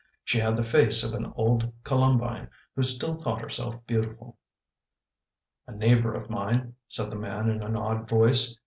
She had the face of an old Columbine who still thought herself beautiful. " A neighbour of mine," said the man in an awed voice.